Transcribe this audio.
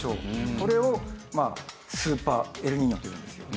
これをスーパーエルニーニョというんですよ。